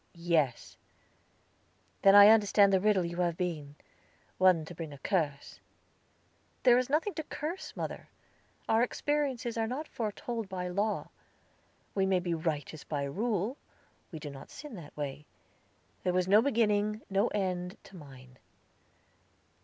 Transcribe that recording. "Yes." "Then I understand the riddle you have been, one to bring a curse." "There is nothing to curse, mother; our experiences are not foretold by law. We may be righteous by rule, we do not sin that way. There was no beginning, no end, to mine."